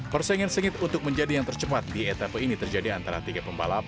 persaingan sengit untuk menjadi yang tercepat di etape ini terjadi antara tiga pembalap